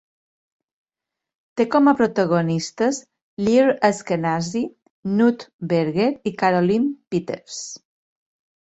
Té com a protagonistes Lior Ashkenazi, Knut Berger i Caroline Peters.